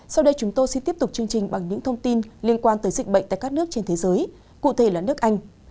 sau đây chúng tôi xin tiếp tục chương trình bằng những thông tin liên quan tới dịch bệnh tại các nước trên thế giới cụ thể là nước anh